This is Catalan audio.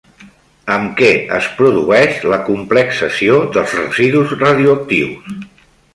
Amb què es produeix la complexació dels residus radioactius?